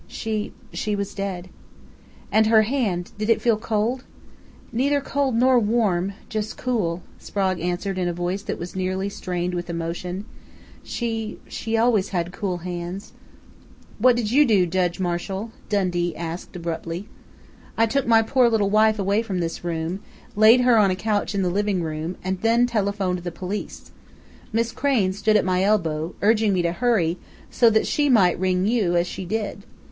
"She she was dead." "And her hand did it feel cold?" "Neither cold nor warm just cool," Sprague answered in a voice that was nearly strangled with emotion. "She she always had cool hands " "What did you do, Judge Marshall?" Dundee asked abruptly. "I took my poor little wife away from this room, laid her on a couch in the living room, and then telephoned the police. Miss Crain stood at my elbow, urging me to hurry, so that she might ring you as she did.